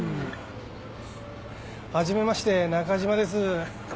はじめまして中嶋です。